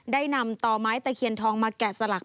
ได้นำต่อไม้ตะเคียนทองมาแกะสลัก